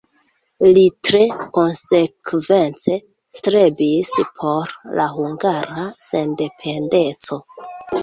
Li tre konsekvence strebis por la hungara sendependeco.